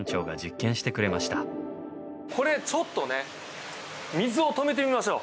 これちょっとね水を止めてみましょう。